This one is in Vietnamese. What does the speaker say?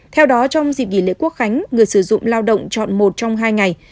theo đó trong dịp nghỉ lễ quốc khánh người sử dụng lao động chọn một trong hai ngày